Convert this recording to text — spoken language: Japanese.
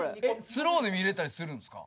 スローで見れたりするんですか？